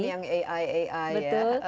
oh ini yang ai ai ya